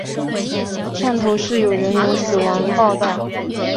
汕头市有人员死亡报导。